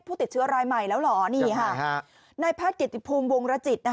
ผู้ติดเชื้อรายใหม่แล้วเหรอนี่ฮะในแพทย์กิจภูมิวงรจิต